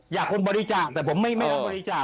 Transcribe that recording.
คงบริจาคแต่ผมไม่รับบริจาค